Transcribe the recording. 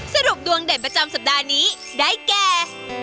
สรุปดวงเด่นประจำสัปดาห์นี้ได้แก่